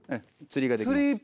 釣りできます。